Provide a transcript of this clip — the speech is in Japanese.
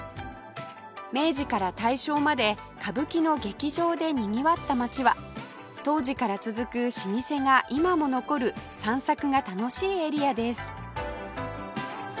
明治から大正まで歌舞伎の劇場で賑わった街は当時から続く老舗が今も残る散策が楽しいエリアです